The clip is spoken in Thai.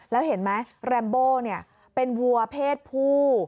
แล้วเห็นไหมแรมโบเป็นวัวเพศผู้